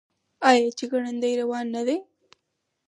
آیا چې ګړندی روان نه دی؟